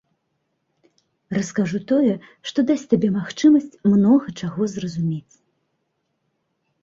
Раскажу тое, што дасць табе магчымасць многа чаго зразумець.